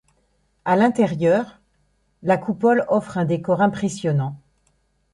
À l'intérieur, la coupole offre un décor impressionnant.